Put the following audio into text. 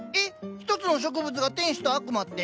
ひとつの植物が天使と悪魔って？